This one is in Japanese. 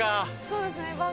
そうですね「わ」は。